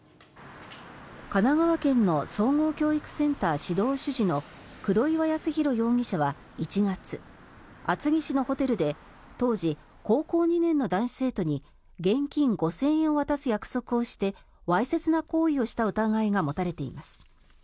神奈川県の総合教育センター指導主事の黒岩康宏容疑者は１月厚木市のホテルで当時高校２年の男子生徒に現金５０００円を渡す約束をしてわいせつな行為をした疑いが持たれています。